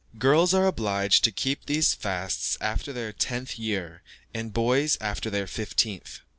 Girls are obliged to keep these fasts after their tenth year, and boys after their fifteenth.